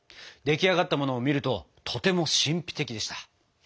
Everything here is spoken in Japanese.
出来上がったものを見るととても神秘的でした。